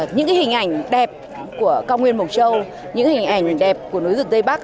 những hình ảnh đẹp của cao nguyên mộc châu những hình ảnh đẹp của núi rừng tây bắc